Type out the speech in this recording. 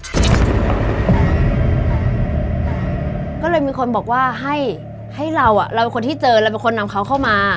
ก็เลยมีคนบอกว่าให้ให้เราเราเป็นคนที่เจอเราเป็นคนนำเขาเข้ามา